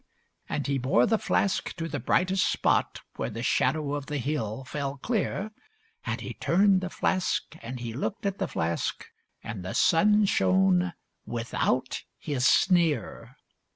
And he bore the flask to the brightest spot, Where the shadow of the hill fell clear; And he turned the flask, and he looked at the flask, And the sun shone without his sneer.